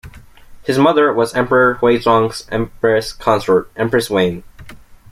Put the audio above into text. His mother was Emperor Huizong's empress consort, Empress Wang.